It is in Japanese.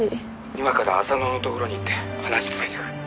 「今から浅野のところに行って話つけてくる」